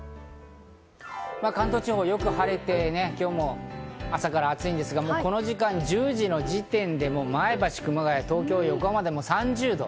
関東地方よく晴れて今日も朝から暑いですが、この時間１０時の時点でも前橋、熊谷、東京、横浜で３０度。